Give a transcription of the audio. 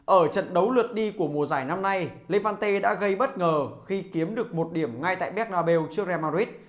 ở trận đấu lượt đi của mùa giải năm nay levante đã gây bất ngờ khi kiếm được một điểm ngay tại bernabeu trước real madrid